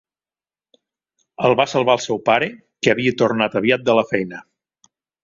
El va salvar el seu pare, que havia tornat aviat de la feina.